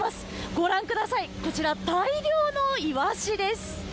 ご覧ください、こちら大量のイワシです。